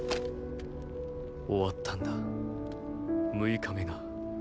終わったんだ六日目が。